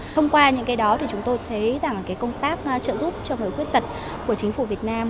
thông qua những cái đó thì chúng tôi thấy rằng cái công tác trợ giúp cho người khuyết tật của chính phủ việt nam